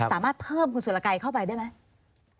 สามารถเพิ่มคุณสุรกัยเข้าไปได้ไหม